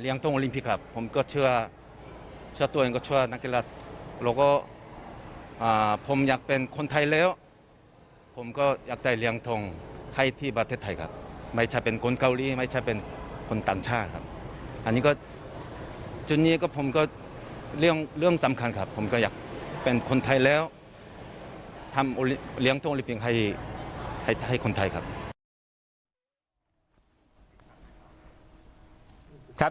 อยากจะเป็นคนไทยแล้วทำเหรียญทองโอลิมปิกให้คนไทยครับ